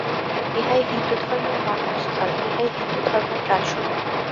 ইহাই হিন্দুধর্মের মর্মস্থল, ইহাই হিন্দুধর্মের প্রাণস্বরূপ।